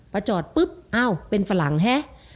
พอจอดปุ๊บอ้าวเป็นฝรั่งฮะ